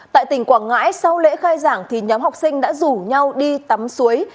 tại tỉnh quảng ngãi sau lễ khai giảng thì nhóm học sinh đã rủ nhau đi tắm suối